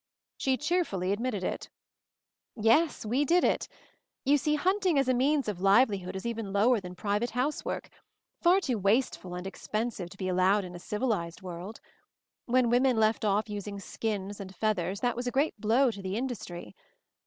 She cheerfully admitted it. "Yes, we did it. You see, hunting as a means of liveli hood is even lower than private housework — far too wasteful and expensive to be al lowed in a civilized world. When women left off using skins and feathers, that was a great blow to the industry.